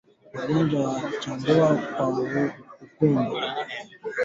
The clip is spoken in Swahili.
Ugonjwa wa chambavu kwa ngombe